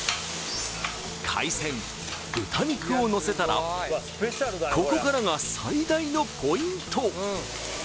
海鮮豚肉をのせたらここからが最大のポイント